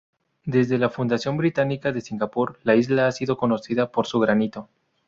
Desde la fundación británica de Singapur, la isla ha sido conocida por su granito.